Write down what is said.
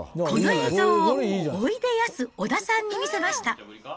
この映像を、おいでやす小田さんに見せました。